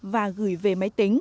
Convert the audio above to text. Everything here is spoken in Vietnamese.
và gửi về máy tính